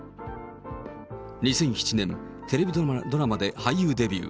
２００７年、テレビドラマで俳優デビュー。